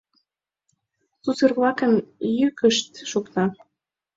Сусыр-влакын йӱкышт шокта.